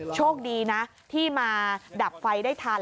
โชคดีนะที่มาดับไฟได้ทัน